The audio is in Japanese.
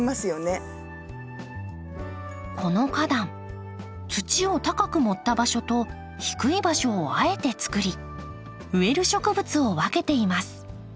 この花壇土を高く盛った場所と低い場所をあえてつくり植える植物を分けています。